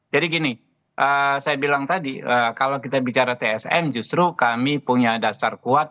jadi gini saya bilang tadi kalau kita bicara tsm justru kami punya dasar kuat